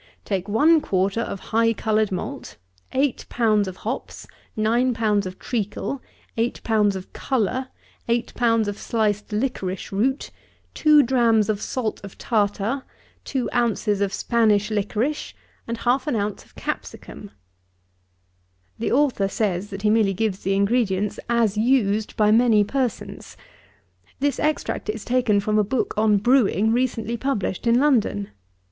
Take one quarter of high coloured malt, eight pounds of hops, nine pounds of treacle, eight pounds of colour, eight pounds of sliced liquorice root, two drams of salt of tartar, two ounces of Spanish liquorice, and half an ounce of capsicum." The author says, that he merely gives the ingredients, as used by many persons. 72. This extract is taken from a book on brewing, recently published in London.